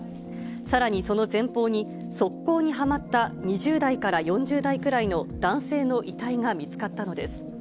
さらにその前方に、側溝にはまった２０代から４０代くらいの男性の遺体が見つかったのです。